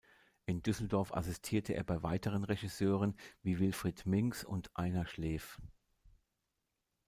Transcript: In Düsseldorf assistierte er bei weiteren Regisseuren wie Wilfried Minks und Einar Schleef.